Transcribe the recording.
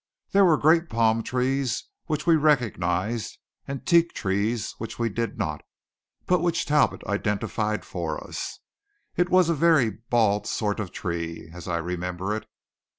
There were great palm trees, which we recognized; and teak trees, which we did not, but which Talbot identified for us. It was a very bald sort of tree, as I remember it.